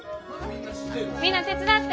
みんな手伝って。